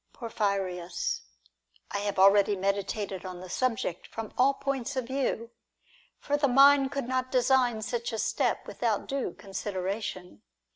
Porphyrius. I have already meditated on the subject from all points of view ; for the mind could not design such a step without due consideration.